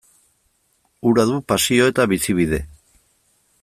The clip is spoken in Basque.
Hura du pasio eta bizibide.